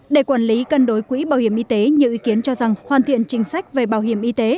để quản lý cân đối quỹ bảo hiểm y tế nhiều ý kiến cho rằng hoàn thiện chính sách về bảo hiểm y tế